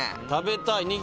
「食べたい。